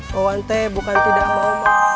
wawan teh bukan tidak mau